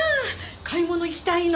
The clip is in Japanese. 買い物行きたいの。